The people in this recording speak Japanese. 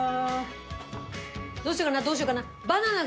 どうしようかなどうしようかな。